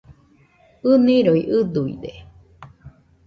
ɨniroi ɨduide